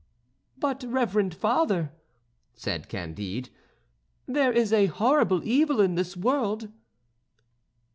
"But, reverend father," said Candide, "there is horrible evil in this world."